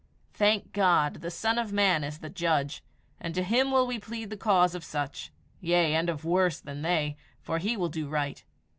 Thank God, the Son of Man is the judge, and to him will we plead the cause of such yea, and of worse than they for He will do right.